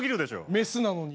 メスなのに。